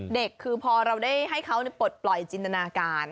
เด็กคือพอเราได้ให้เขาปลดปล่อยจินตนาการ